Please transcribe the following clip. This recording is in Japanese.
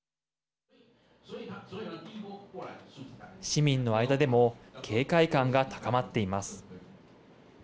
市民の間でも警戒感が高まっています。